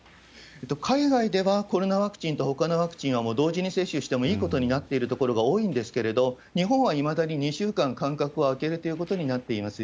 海外では、コロナワクチンとほかのワクチンはもう同時に接種してもいいことになってるところが多いんですけれども、日本はいまだに２週間間隔を空けるということになっています。